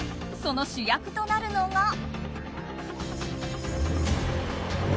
その主役となるのが。